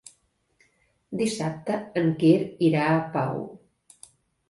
Dissabte en Quer irà a Pau.